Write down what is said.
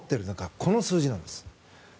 この数字なんです。